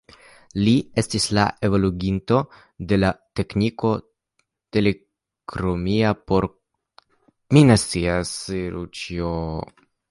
Li estis la evoluginto de la tekniko heliokromia por kolorfotografado.